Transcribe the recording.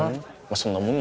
そんなもんだ。